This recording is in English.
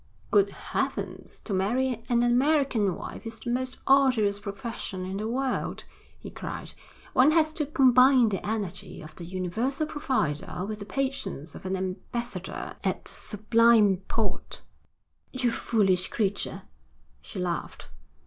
'Good heavens, to marry an American wife is the most arduous profession in the world,' he cried. 'One has to combine the energy of the Universal Provider with the patience of an ambassador at the Sublime Porte.' 'You foolish creature,' she laughed.